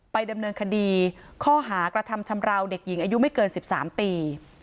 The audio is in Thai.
ดำเนินคดีข้อหากระทำชำราวเด็กหญิงอายุไม่เกิน๑๓ปี